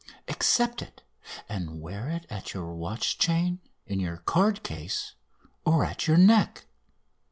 "Accept it, and wear it at your watch chain, in your card case, or at your neck.